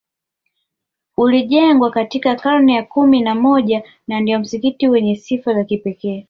Ulijengwa katika karne ya kumi na moja na ndio msikiti wenye sifa ya kipekee